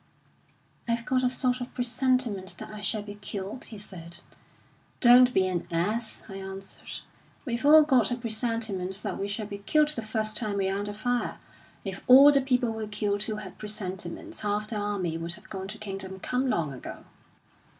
'I've got a sort of presentiment that I shall be killed,' he said. 'Don't be an ass,' I answered. 'We've all got a presentiment that we shall be killed the first time we're under fire. If all the people were killed who had presentiments, half the army would have gone to kingdom come long ago.'"